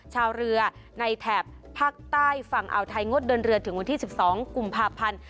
ชาวเรือในแถบภาคใต้ฝั่งอ่าวไทยงดเดินเรือถึงวันที่๑๒กุมภาพันธ์